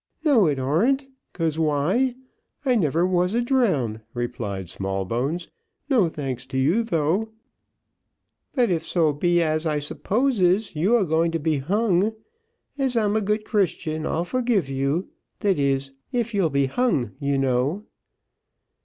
"No, it arn't, 'cause why? I never was a drowned," replied Smallbones; "no thanks to you, though; but if so be as I supposes, you be a going to be hung as I'm a good Christian, I'll forgive you that is, if you be hung, you know."